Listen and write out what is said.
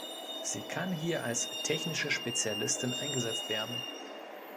Sie kann hier als Technische Spezialistin eingesetzt werden.